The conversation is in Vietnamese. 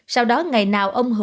sau đó ngày nào ông hữu